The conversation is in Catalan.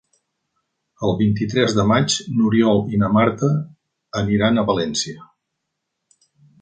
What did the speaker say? El vint-i-tres de maig n'Oriol i na Marta aniran a València.